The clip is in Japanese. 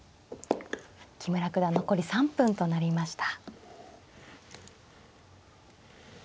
木村九段残り３分となりました。